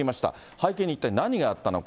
背景に一体何があったのか。